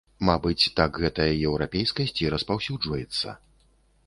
Мабыць, так гэтая еўрапейскасць і распаўсюджваецца.